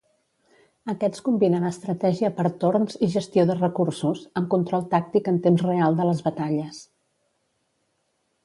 Aquests combinen estratègia per torns i gestió de recursos, amb control tàctic en temps real de les batalles.